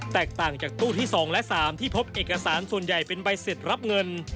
แตกต่างจากตู้ที่๒และ๓ที่พบเอกสารส่วนใหญ่เป็นใบเสร็จรับเงิน